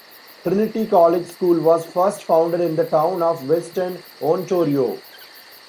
Trinity College School was first founded in the town of Weston, Ontario.